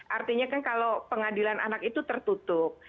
artinya kan kalau pengadilan anak itu tertutup